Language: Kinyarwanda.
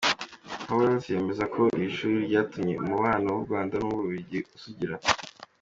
Pauwels yemeza ko iri shuri ryatumye umubano w’u Rwanda n’u Bubiligi usugira.